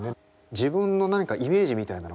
自分の何かイメージみたいなの